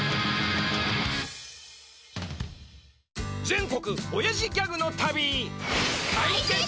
全国おやじギャグの旅！